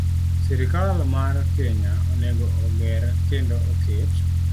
Sirkal mar Kenya onego oger kendo oket